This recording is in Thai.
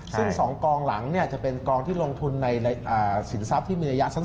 ซึ่ง๒กองหลังจะเป็นกองที่ลงทุนในสินทรัพย์ที่มีระยะสั้น